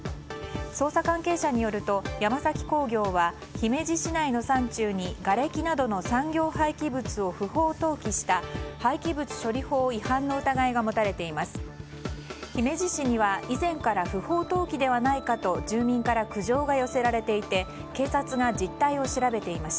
捜査関係者によると、山崎興業は姫路市内の山中にがれきなどの産業廃棄物を不法投棄した廃棄物処理法違反の疑いが持たれています。